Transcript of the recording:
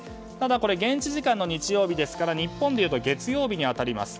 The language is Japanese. これは現地時間の日曜日ですから日本でいうと月曜日に当たります。